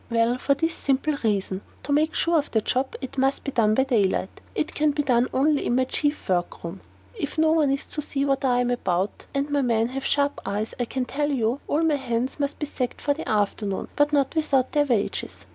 Well, for this simple reason: to make sure of the job, it must be done by daylight; it can be done only in my chief work room; if no one is to see what I am about (and my men have sharp eyes, I can tell you), all my hands must be sacked for the afternoon, but not without their wages.